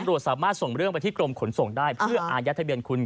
ตำรวจสามารถส่งเรื่องไปที่กรมขนส่งได้เพื่ออายัดทะเบียนคุณ